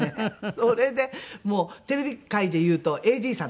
それでもうテレビ界でいうとＡＤさんです私たち。